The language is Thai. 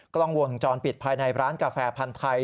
กล้องวงจรปิดภายในร้านกาแฟพันธ์ไทย